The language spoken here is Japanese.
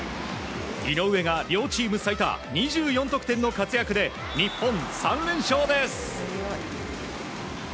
井上が両チーム最多２４得点の活躍で日本、３連勝です。